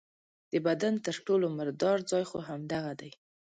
د بدن تر ټولو مردار ځای خو همدغه دی.